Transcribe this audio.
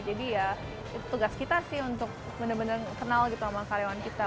jadi ya itu tugas kita sih untuk bener bener kenal gitu sama karyawan kita